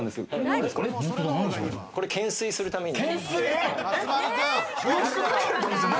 これ、懸垂するために。